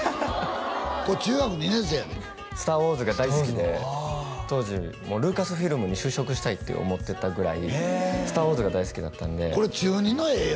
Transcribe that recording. これ中学２年生やで「スター・ウォーズ」が大好きで当時もうルーカスフィルムに就職したいって思ってたぐらい「スター・ウォーズ」が大好きだったんでこれ中２の絵よ